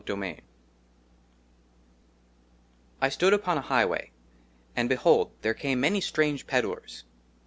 34 1 XXXIV I STOOp UPON A HIGHWAY, AND, BEHOLD, THERE CAME MANY STRANGE PEDLERS.